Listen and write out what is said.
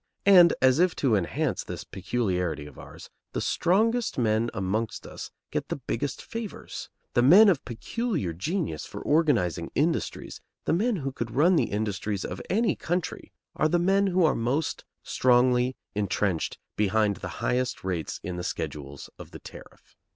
And, as if to enhance this peculiarity of ours, the strongest men amongst us get the biggest favors; the men of peculiar genius for organizing industries, the men who could run the industries of any country, are the men who are most strongly intrenched behind the highest rates in the schedules of the tariff.